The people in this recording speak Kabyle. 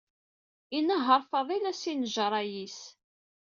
Inehheṛ Faḍil asinjerray-is.